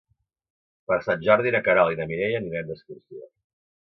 Per Sant Jordi na Queralt i na Mireia aniran d'excursió.